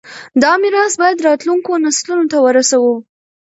دا میراث باید راتلونکو نسلونو ته ورسوو.